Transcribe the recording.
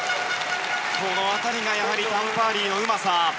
この辺りがタン・パーリーのうまさ。